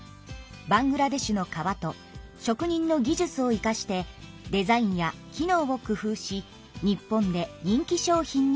バングラデシュのかわと職人の技術を生かしてデザインや機能を工夫し日本で人気商品になりました。